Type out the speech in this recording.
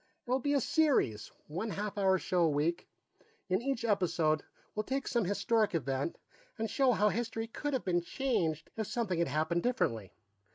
"It'll be a series, one half hour show a week; in each episode, we'll take some historic event and show how history could have been changed if something had happened differently.